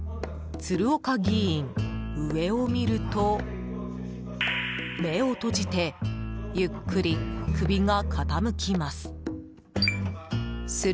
鶴岡議員、上を見ると目を閉じてゆっくり首が傾きます。